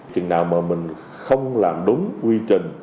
chừng nào mà mình không làm đúng quy trình